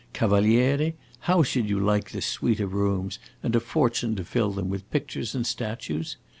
Cavaliere, how should you like this suite of rooms and a fortune to fill them with pictures and statues?